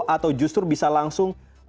atau justru bisa langsung